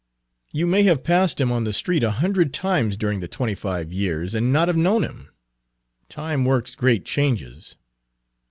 "You may have passed him on the street a hundred times during the twenty five years, and not have known him; time works great changes."